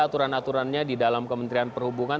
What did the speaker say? aturan aturannya di dalam kementerian perhubungan